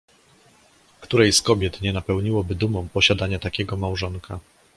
"Której z kobiet nie napełniłoby dumą posiadanie takiego małżonka?"